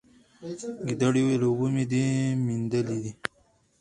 ګیدړ وویل اوبه مي دي میندلي